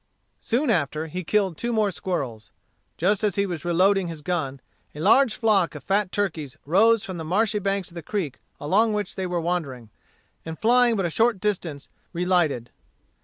Soon after, he killed two more squirrels. Just as he was reloading his gun, a large flock of fat turkeys rose from the marshy banks of the creek along which they were wandering, and flying but a short distance, relighted.